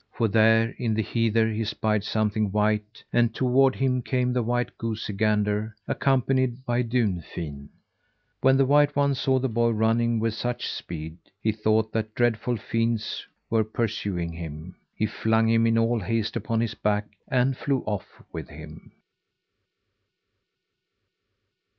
For there, in the heather, he spied something white, and toward him came the white goosey gander, accompanied by Dunfin. When the white one saw the boy running with such speed, he thought that dreadful fiends were pursuing him. He flung him in all haste upon his back and flew off with him.